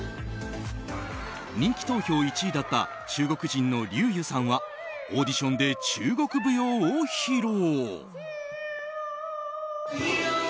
人気投票１位だった中国人のリュウ・ユさんはオーディションで中国舞踊を披露。